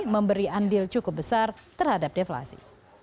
memberi andil cukup besar terhadap deflasi